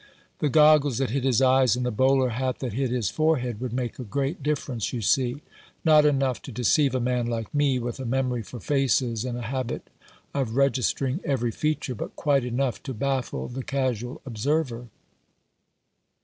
The goggles 30S x Rough Justice. that hid his eyes and the bowler hat that hid his forehead would make a great difference, you see ; not enough to deceive a man like me, with a memory for faces and a habit of registering every feature, but quite enough to baffle the casual observer."